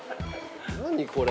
◆何これ。